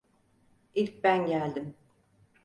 İlk ben geldim.